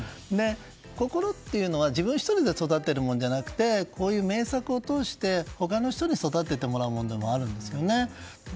心は自分１人で育てるものではなくて名作を通して他の人に育ててもらうものでもあるんですね。